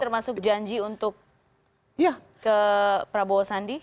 termasuk janji untuk ke prabowo sandi